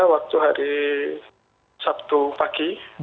waktu hari sabtu pagi